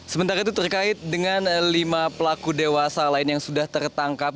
sementara itu terkait dengan lima pelaku dewasa lain yang sudah tertangkap